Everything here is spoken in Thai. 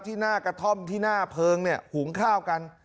ที่หน้ากระท่อมที่หน้าเพิงหุงข้าวกัน